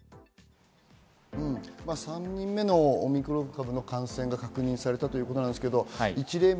３人目のオミクロン株の感染が確認されたということです。